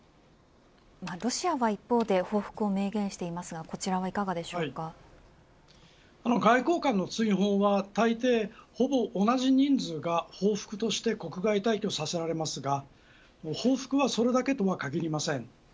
ロシアは一方で、報復を明言していますが外交官の追放はたいてい、ほぼ同じ人数が報復として国外退去させられますが報復はそれだけとは限りません。